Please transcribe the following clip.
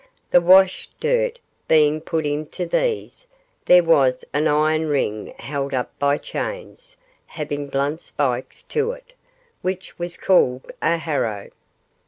The wash dirt being put into these, there was an iron ring held up by chains, having blunt spikes to it, which was called a harrow.